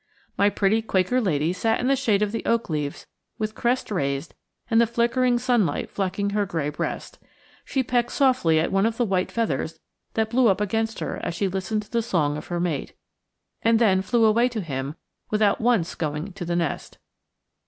My pretty Quaker lady sat in the shade of the oak leaves with crest raised and the flickering sunlight flecking her gray breast. She pecked softly at one of the white feathers that blew up against her as she listened to the song of her mate; and then flew away to him without once going to the nest.